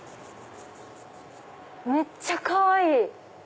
めっちゃかわいい！